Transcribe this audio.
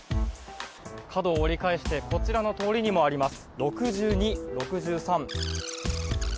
角を折り返してこちらの通りにもあります。